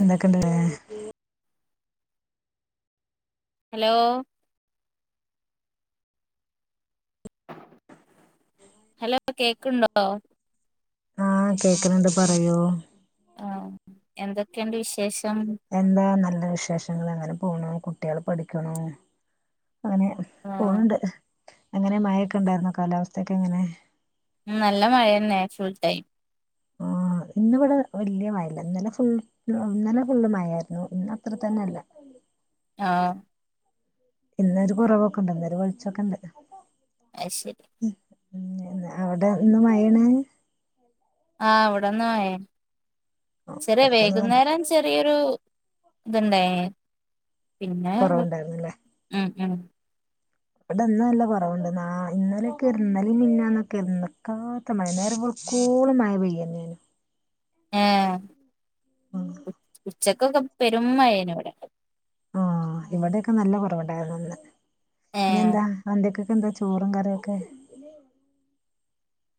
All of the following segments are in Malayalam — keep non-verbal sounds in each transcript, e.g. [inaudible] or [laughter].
എന്തക്കെണ്ട് ഏ [unintelligible] അലോ ഹലോ കേക്കുണ്ടോ? ആഹ് കേക്ക്ന്ന്ണ്ട് പറയൂ ആഹ് എന്തൊക്കെണ്ട് വിശേഷം? എന്താ നല്ല വിശേഷങ്ങൾ അങ്ങനെ പോണു കുട്ടികൾ പഠിക്ക്ണൂ അങ്ങനെ ആഹ് പോണ്ണ്ട് അങ്ങനെ മയൊക്കെ ഉണ്ടായിരുന്നോ? കാലാവസ്ഥക്കെ എങ്ങനെ? ഉം നല്ല മഴന്നെ ഫുൾ ടൈം ആഹ് ഇന്ന് ഇവിടെ വല്യ മയല്ലാ ഇന്നലെ ഫുൾ [unintelligible] ഇന്നലെ ഫുള്ള് മഴായിര്ന്നു ഇന്ന് അത്ര തന്നെല്ല ആഹ്. ഇന്നൊരു കൊറവൊക്കെണ്ട് ഇന്നൊരു വെള്ച്ചൊക്കെണ്ട് അയ്ശെരി. മ്മ് അവിടെ ഇന്ന് മയെണ് ആഹ് ഇവടെന് മഴെന് ചെറിയെ ഇടക്കൊന്ന് വൈകുന്നേരം ചെറിയൊരു ഇത്ണ്ടായിനി പിന്നെ കുറവുണ്ടായിരുന്നല്ലേ ഉം ഉം ഇവിടെന്ന് നല്ല കുറവുണ്ട് ന ഇന്നലെക്കെ ഇരുന്നൽും മെ ന്നെന്നൊക്കെ നിക്കാ കത്ത മയാ നേരവെളുകോള മയാ പെയ്യന്നെയിനി എഹ് ഉ ഉച്ചക്കൊക്കെ പെരുമയന് ഇവിടെ ആഹ് ഇവിടെയൊക്കെ നല്ല കുറവുണ്ടായിരുന്നുന്ന് ഇന്നലെ ഏഹ് എന്താ അന്തിക്കൊക്കെ എന്താ ചോറും കറിയൊക്കെ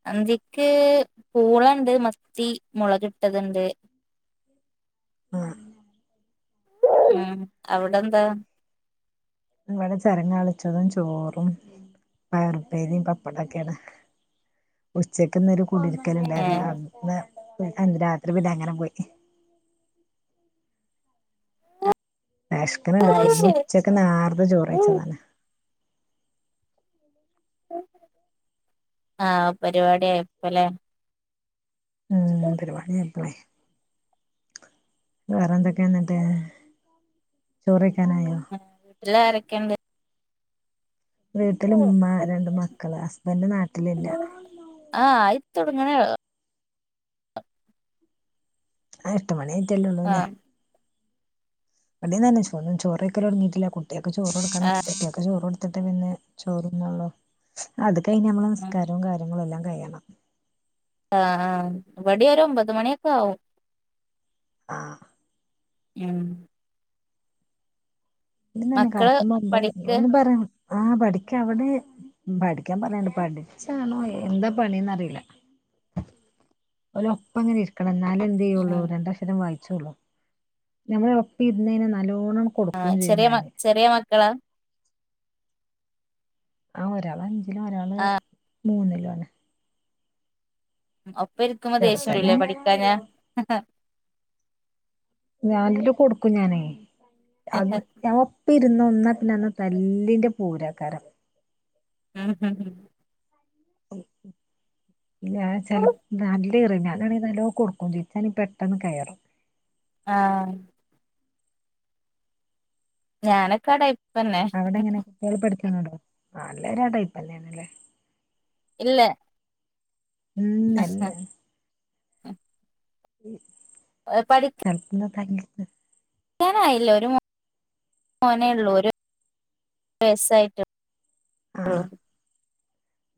അന്തിക്ക് പൂളണ്ട് മത്തി മുളകിട്ടതുണ്ട് [inaudible] ആഹ് ഉം അവിടെ എന്താ? ഇവിടെ ചരങ്ങളിച്ചതും ചോറും പയരുപേരി പപ്പടക്കടകേന് ഉച്ചക്ക്ന്നൊരു കുടിരിക്കൽ ഉണ്ടായിരുന്നു ഏഹ് അന്ന് അന്ന് രാത്രി പിന്നെ അങ്ങനെ പോയി വേശ്കുന്ണ്ട് അത് കൂഞ്ഞു ശരി ഉച്ചക്ക് നാർത്ത ചോറ്യച്ചതാണ് ആഹ് പരിപാടിയപ്പലെ മ്മ് പരിപാടി അക്കളേ വേറെ എന്തൊക്കെ എന്നിട്ട് ചോറ്വെയ്ക്കാനായോ [unintelligible] വീട്ടില ആരൊക്കെയണ്ട് വീട്ടില ഉമ്മ രണ്ട് മക്കള് ഹസ്ബൻഡ് നാട്ടിലില്ല ആഹ് ആയി തൊടങ്ങനെളു ആ എട്ട് മണിയിറ്റല്ലേള്ളൂല്ലേ ആഹ് ഇവിടെന്നെ ചോ ചോരയ്ക്കല് തൊടങ്ങിട്ടില്ല കുട്ടിയാൾക്ക് ചോറ് കൊടുക്കണം അതെ ഒക്കെ ചോറ് കൊടുത്തിട്ട് പിന്നെ ചോറന്നാള്ളോ അത് കഴിഞ്ഞഞ് നമ്മള് ഉം നസ്കാരവും കാര്യങ്ങളും എല്ലാം കഴിയണം ആഹ് ഇവടി ഒരു ഒമ്പത് മണിയൊക്കെ ആവും ആഹ് ഉം ഇവടി തന്നെ മക്കള് കടക്കുമ്പോ ഒൻപത് പഠിക്ക് ഒന്ന് പറ ആഹ് പഠിക്കാ അവിടെ പഠിക്കാൻ പറയാനണ്ട് പഠിച്ചണോ എന്താ പണിന്ന്റിയില്ല ഒല് ഒപ്പംങ്ങനെ ഇരിക്കണം എന്നാല എന്ത് ചെയ്യുള്ളൂ ഉം രണ്ട അക്ഷരം വായിച്ചോള്ളൂ നമ്മള ഒപ്പ ഇുരുനകഴിഞ്ഞ നല്ലോണം കൊടുക്കും ആഹ് ചെയ്യും ചെറിയ മ ഞാന് ചെറിയ മക്കളാ ആഹ് ഒരാൾ അഞ്ചിലും ഒരാൾ ആഹ് മൂന്നിലും ആണ് ഒപ്പ ഇരിക്കുമ്പോ ചെറുതന് ദേഷ്യംല്ലേ പഠികാഞ്ഞ ഞാനിട്ടു കൊടുക്കും ഞാനേ അത് ഞ [unintelligible] ഇപ്പ ഇരുന്ന ഒന്നാ പിന്നെന്ന് തല്ലിൻന്റെ പൂരാക്കാര ഉം ഉം ഹ് ഞൻ ചെ നല്ലേഇറക്കര ഞാനാണ നലോ കൊടുക്കും ചെയ്യും ഇനിക്കങ്കിൽ പെട്ടെന്ന് കയറും ആഹ് ഞാനൊക്കെട അവിടെ എങ്ങനെ കുട്ടികള പടിക്നണ്ടോ എല്ലൊര ആ ടൈപ്പ്ന്നെയാണല്ലേ ഇല്ല മ്മ് എല്ല ഉ എ പഠിക് [unintelligible] ഞാനായില്ലേ ഒരു മോനെേ ഉള്ളൂ ഒരു വസായിട്ട് ആഹ്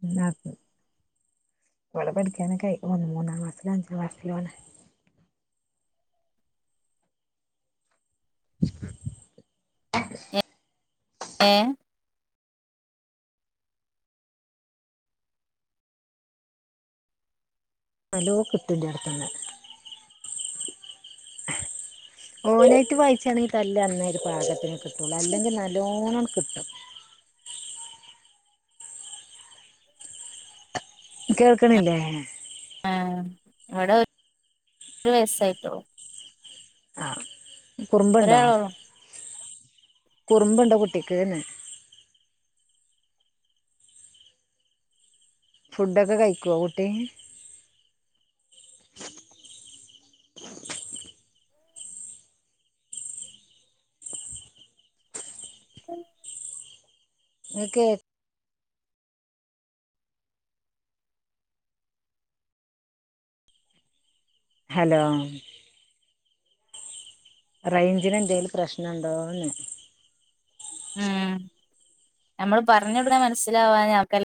[unintelligible] ക്കും ഇവിടെ പഠിക്കാനൊക്കെ അഴിക്കുന്നു ഒന്ന് മൂന്നാംക്ലസിലും അഞ്ചാംക്ലസില ആണ് [unintelligible] ഏഹ് നല്ലോ കിട്ടുന്റെടത്ന്ന് ഓനായിട്ട് വായിച്ചാണെങ്കിൽ തല് അന്നര് പാകം കിട്ടൂല അല്ലെങ്കിൽ നല്ലലോണ്ണം കിട്ടും കേൾക്കണില്ലേ ആഹ് ഇവിടെ ഒരുവയസായിട്ടുള്ളൂ ആഹ് കുറുമ്പ്ണ്ടോ? ഒരാളൊള്ളൂ കുറുമ്പുണ്ടോ കുട്ടിക്ക്ന്ന്? ഫുഡൊക്കെ കഴിക്കോ കുട്ടി? [inaudible] ങ്ങക്ക് ഹലോ റൈഞ്ചിന ന്തേലും പ്രശ്നുണ്ടോന്ന്? ഉം നമ്മൾ പറഞ്ഞ ടനെ മനസ്സിലാവാ ഞക്ക്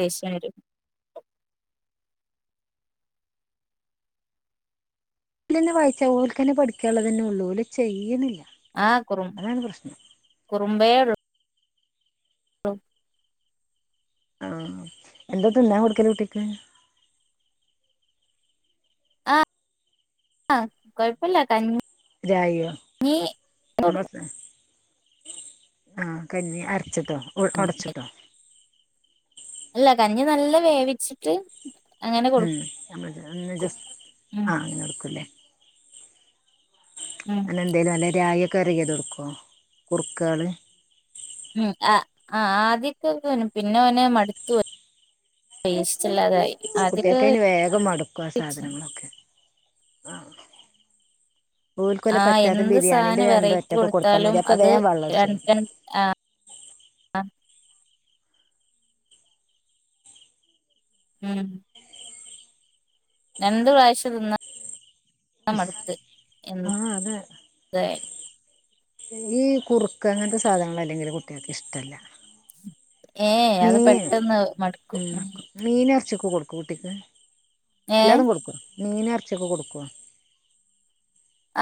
ദേഷ്യ വരും ക്കെന്നെ വായിച്ച ഓൾക്കെന്നെ ന്നെ പഠിക്കാനുള്ളത്തന്നെ ഉള്ളൂലേ ചെയ്യുന്നില്ല ആഹ് കുറുംകുറുമ്പേള്ളു ആഹ് എന്താ തിന്നാൻ കൊടുക്കൽ കുട്ടിക്ക്? ആഹ് ആഹ് കുഴപ്പില്ല കഞ്ഞ രായിയോ ഞാ ആഹ് കഞ്ഞി അ ച്ച ട്ടോ ഒടച്ചട്ടോ അല്ല കഞ്ഞി നല്ല വേവിച്ചിട്ട് അങ്ങനെ കൊടുക്കും മ് ഒന്ന് ജസ്റ്റ് ഉം ആ കൊടുക്കല്ലേ ഉം അങ്ങനെ എന്തേലും നല്ല രായ വര കിയത് കൊടുക്കുവോ കുർക്കൾ ഉ ആ ആഹ് ആദ്യക്കെ പിന്നെ ഓൻ മടുത്തു ടേസ്റ്റ്ല്ലാതായി കുട്ടികൾക്ക്ന് വേഗം മടുക്കും ആ സാധനങ്ങളൊക്കെ ആഹ് ഓൽക്കൊല ആഹ് പറ്റാത്തെ എന്ത് ബിരിയാണിന്റെ സാധനം രണ്ടു വെറൈറ്റി വറ്റക്കെ കൊടുത്താ കൊടുത്താലും മതി അപ്പൊ അത് വേവള്ളട്ച്ചു രണ്ട് തിന്നും രണ്ട് ഉം രണ്ട് വയസ്സ് തിന്നാൻമട്ത് ആഹ് അതെ ഈ കുറുക്ക് അങ്ങനത്തെ സാധനങ്ങൾ അല്ലെങ്കില് കുട്ടികൾക്ക് ഇഷ്ടല്ല ഏഹ് അത് പെട്ടെന്ന് മടുക്കും മീൻ ഇറച്ചൊക്കെ കൊടുക്കും കുട്ടിക്ക് ഏഹ് എല്ലാതും കൊടുക്കു മീൻ ഇറച്ചിയൊക്കെ കൊടുക്കു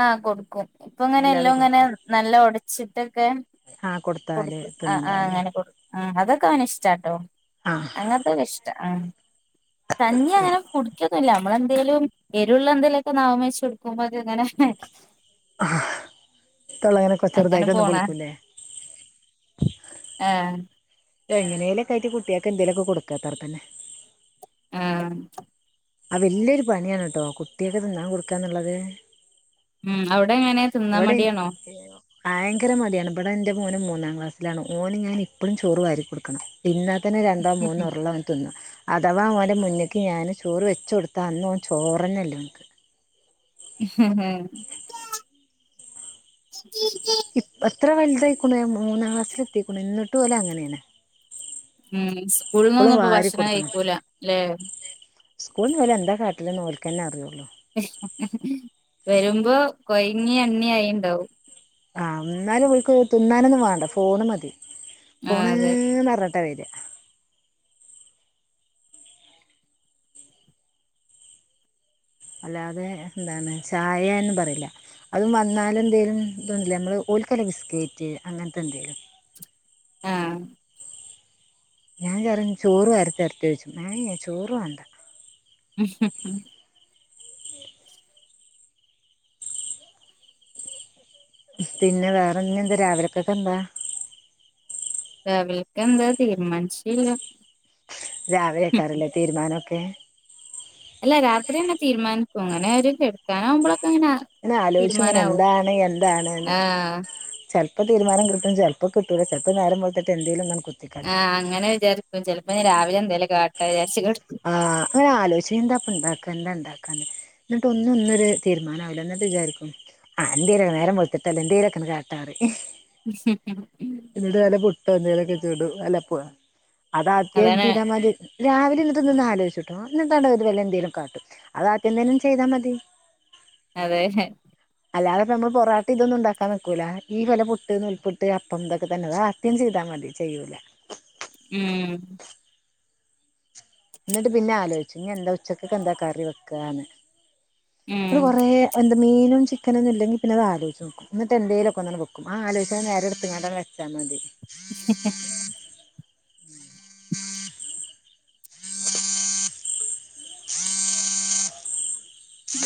ആഹ് കൊടുക്കും ഇപ്പ ങ്ങനെ എല്ലോ എല്ലാതും ങ്ങനെ കൊടുക്കില്ലേ നല്ല ഉടച്ചിട്ടൊക്കെ ആഹ് കൊടുത്താല് കൊടുക്ക ആ ആ തിന്നുണ്ടാവില്ലേ അങ്ങനെ ആ അതൊക്കെ അവന ഇഷ്ടാട്ടോ ആഹ് അങ്ങ വനിഷ്ട്ടാ കഞ്ഞി ങ്ങനെ കുടിക്കൊന്നില്ല നമ്മളെ ന്തേലും എരുവള്ള ന്തേലുമൊക്കെ നാമച്ച് കൊടുക്കുമ്പോ അത് ങ്ങനെ ആ തൊള്ളങ്ങനെ അങ്ങനെ കൊച്ചെറുതായിട്ട ഒന്നു പോണ പൊളിക്കൂല്ലേ ആഹ് എങ്ങനേലക്കയിട്ട് കുട്ട്യാ ക്കെ ന്തേലൊക്കെടുക്കത്തർ തന്നെ ആഹ് അത് വലിയൊരു പണിയാണ് ട്ടോ കുട്ടിയക്ക് തിന്നാൻ കൊടുക്കാന്നുള്ളത് ഉം അവിടെങ്ങനെ? ഇവിടെ ഭയങ്കര മടിയാണ് ഇവിടെ ൻറെ മോന് മൂന്നാം ക്ലാസ്സിലാണ് ഓന് ഞാൻ ഇപ്പഴും ചോറ് വാരി കൊടുക്കണം തിന്നതന്നെ രണ്ടോ മൂന്നോ ഉരുള ഓൻ തിന്നും അഥവാ ഓന്റെ മുന്നേക്ക് ഞാൻ ചോറ് വെച്ചു കൊടുത്താൽ അന്നോൻ ചോരേന്നെ ഇല്ല ഹ ഹ ഇപ്പ ത്ര വലുതായിരിക്കണ മൂന്നാം ക്ലാസ്സൽ എത്തിക്കണ എന്നിട്ടും ഓല ങ്ങനെയാണ്. ഉം സ്കൂളിൽ ന്നൊന്നും ഇപ്പ ഭക്ഷണം കഴിക്കൂല ല്ലെ സ്കൂൾ ഓല്എന്താ കാട്ടെല്ന്ന് ഓൽക്കനെ അറിയുള്ളൂ ഹ് ഹ് വരുമ്പോ കൊയങ്ങി എണ്ണി ആയിണ്ടാവും ആ ന്നാലും ഓൽക്ക് തിുന്നാനൊന്നും വാണ്ട ഫോണ് മതി ആഹ് ഫോണ് അതെ ന്നറഞ്ഞിട്ടാ വരിക അല്ലാതെ എന്താണ് ചായന്ന് പറയില്ല അത് വന്നാലെന്തേലും ഇതൊന്നില്ലേ നമ്മള് ഒരുഓൽക്ക് വല്ല ബിസ്കേറ്റ് അങ്ങനത്തെ എന്തേലും ആഹ് ഞാൻ പറിം ചോറ് വാത്തിരട്ടെയ്ച്ചും മ് ഹ് ചോറ് വേണ്ട ഉം ഹ് ഹും ഉം പിന്നെ വേറെഞ്ഞിന്താ രാവിലെക്കൊക്കെ എന്താ രവിലക്കെന്താ തീരുമാനിച്ചില്ല രാവിലേക്കറീല്ലേ തീരുമാനൊക്കെ അല്ല രാത്രി തന്നെ തീരുമാനിക്കും അങ്ങനൊരു കിടക്കാനാവുമ്പളൊക്കങ്ങനെ ങ്ങനെ ആലോയിച്ചും ഇങ്ങനെ എന്താണ് എന്താണ്ന്ന് ആഹ് ചെലപ്പൊ ചിലപ്പോ തീരുമാനം കിട്ടും ചിലപ്പോ കിട്ടൂല ചെലപ്പോ നേരം വെളുത്തിട്ടെന്തേലും ങ്ങ്ട് ആഹ് അങ്ങനെ വിചാരിക്കും ചിലപ്പോ ഇഞ്ഞി രാവിലെ എന്തേലേ കാട്ടാ വിചാരിച്ച് കിടക്കും ആഹ് അങ്ങനെ ആലോയ്ക്കും എന്താപ്പൊണ്ടാക്ക എന്താ ഇണ്ടാക്കന്ന് എന്നിട്ട് ഒന്നുന്നൊരു തീരുമാനം ആവൂലന്നിട്ട് വിചാരിക്കും ആ ന്റെരു നേരം വെളുത്തിട്ടല്ലെ എന്തേലൊക്കെങ്ങ്കാട്ടാറയിം ഉംഹ് ഹ് എന്നിട്ട് നല്ല പുട്ടൊന്തിലൊക്കെ ചുടും അല്ലപോ അതാദ്യം അതാണ് എന്ത്യതാമതി രാവിലെ ര്ന്നിട്ട് നിന്ന് ആലോചിട്ടോ എന്നിട്ട് വല്ലുഎന്തേലും കാട്ടും അത് ആദ്യം തന്നെങ്ങ്ട്ട് ചെയ്താൽ മതി അതെ ഹ അല്ലാതെ പ്പമ്മള് പൊറട്ട ഇതൊന്നും ഉണ്ടാക്കാൻ നിക്കൂല ഈ വല പുട്ട് നൂൽപുട്ട് അപ്പം ഇതൊക്കെ തന്നെതാ ത്തി ചെയ്താൽ മതി ചെയ്യൂല ഉം എന്നിട്ട് പിന്നെ ആലോയ്ച്ചും ഞിഎന്താ ഉച്ചക്കക്കെ എന്താ കറി വെക്കാന്ന് ഉം ന്നിട്ട് കൊറേ എന്ത് മീനും ചിക്കനൊന്നും ഇല്ലെങ്കി പിന്നെ അത് ആലോചിച്ചണം എന്നിട്ട് എന്തേലൊക്കന്നങ്ങട് വെക്കും ആ ആലോയ്ച്ചണ നേരട്ത് ങ്ങാണ്ടാങ്ങ്ട് വെച്ചാൽ മതി ഉം ഹ് [inaudible] ഉം